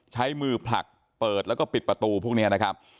ใช้มือผลักเปิดแล้วก็ปิดประตูพวกนี้นะครับ